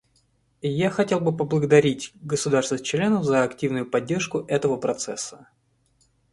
Я хотел бы поблагодарить государства-члены за активную поддержку этого процесса.